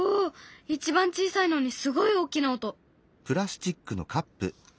一番小さいのにすごい大きな音！